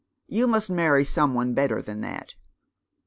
You must marry some one better than that."